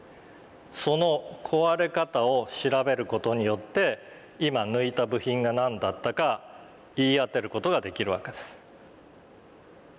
その壊れ方を調べる事によって今抜いた部品が何だったか言い当てる事ができるわけです。